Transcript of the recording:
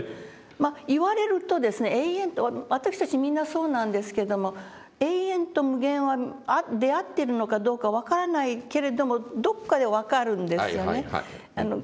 まあ言われるとですね永遠と私たちみんなそうなんですけども永遠と無限は出合ってるのかどうか分からないけれどもどっかで分かるんですよね。